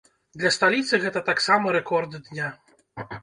Для сталіцы гэта таксама рэкорд дня.